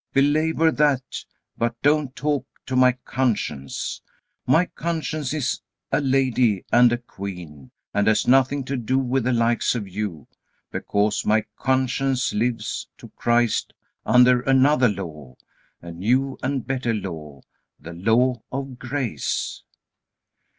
Belabor that, but don't talk to my conscience. My conscience is a lady and a queen, and has nothing to do with the likes of you, because my conscience lives to Christ under another law, a new and better law, the law of grace."